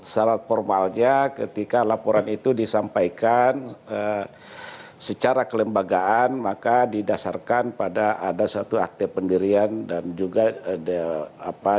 syarat formalnya ketika laporan itu disampaikan secara kelembagaan maka didasarkan pada ada suatu akte pendirian dan juga apa